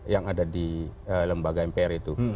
yang ada di lembaga mpr itu